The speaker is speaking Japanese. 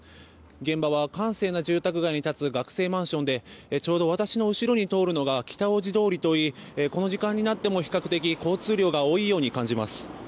現場は閑静な住宅街に立つ学生マンションでちょうど私の後ろに通るのが北大路通りといいこの時間になっても比較的交通量が多いように感じます。